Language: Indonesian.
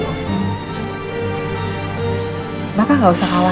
saya pengasih dulu